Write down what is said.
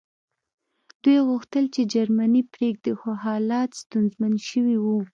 دوی غوښتل چې جرمني پرېږدي خو حالات ستونزمن شوي وو